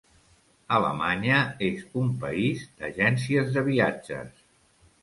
Alemanya és un país d'agències de viatges.